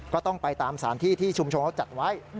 ก็ต้องไปตามสถานที่ที่ชุมชนเขาจัดไว้